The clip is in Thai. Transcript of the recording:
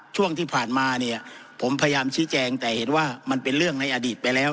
ช่วงที่ผ่านมาเนี่ยผมพยายามชี้แจงแต่เห็นว่ามันเป็นเรื่องในอดีตไปแล้ว